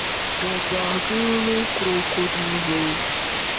En mensa strukturo la referenco estas al la strukturo de la "konscia sperto".